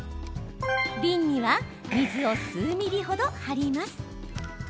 瓶には水を数ｍｍほど張ります。